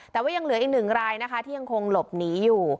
แต่ว่ายังเหลืออีกหนึ่งรายนะคะที่ยังคงหลบหนีอยู่